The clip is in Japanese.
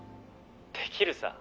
「できるさ。